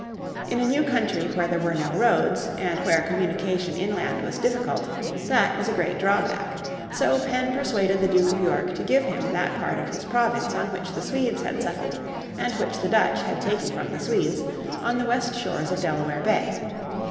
In a new country where there were no roads, and where communication inland was difficult that was a great drawback. So Penn persuaded the Duke of York to give him that part of his province on which the Swedes had settled and which the Dutch had taken from the Swedes, on the west shores of Delaware Bay.